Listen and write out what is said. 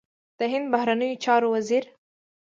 د هند بهرنیو چارو وزیر